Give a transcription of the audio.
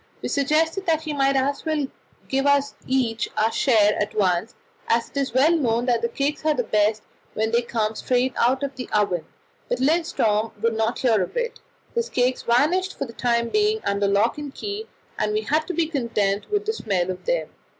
We suggested that he might just as well give us each our share at once, as it is well known that the cakes are best when they come straight out of the oven, but Lindström would not hear of it. His cakes vanished for the time being under lock and key, and we had to be content with the smell of them.